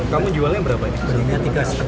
kamu jualnya berapa ini